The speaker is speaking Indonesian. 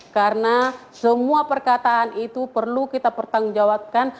karena semua perkataan itu perlu kita pertanggungjawabkan